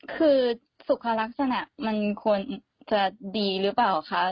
คือสุขลักษณะมันควรจะดีหรือเปล่าคะ